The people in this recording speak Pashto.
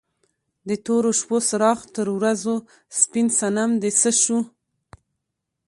د تورو شپو څراغ تر ورځو سپین صنم دې څه شو؟